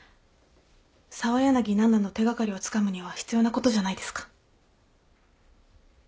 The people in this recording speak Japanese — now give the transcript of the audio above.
さわやなぎななの手掛かりをつかむには必要なことじゃないですか。